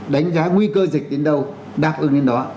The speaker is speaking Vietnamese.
đánh giá nguy cơ dịch đến đâu đáp ứng đến đó